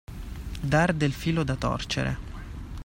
Dar del filo da torcere.